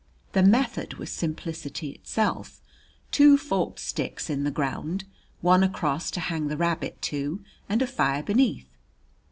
The method was simplicity itself two forked sticks in the ground, one across to hang the rabbit to and a fire beneath.